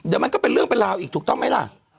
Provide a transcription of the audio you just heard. เดี๋ยวมันก็เป็นเรื่องเป็นราวอีกถูกต้องไหมล่ะ